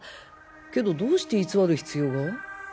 けどどうして偽る必要が？